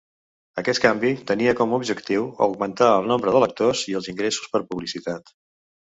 Aquest canvi tenia com a objectiu augmentar el nombre de lectors i els ingressos per publicitat.